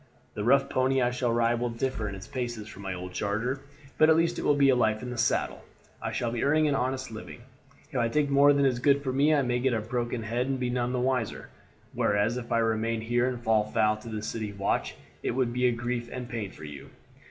The rough pony I shall ride will differ in his paces from my old charger, but at least it will be life in the saddle. I shall be earning an honest living; if I take more than is good for me I may get a broken head and none be the wiser, whereas if I remain here and fall foul of the city watch it would be grief and pain for you."